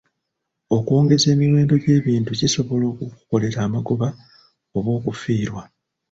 Okwongeza emiwendo gy'ebintu kisobola okukukolera amagoba oba okufiirwa.